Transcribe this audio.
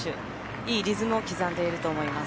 いいリズムを刻んでいると思います。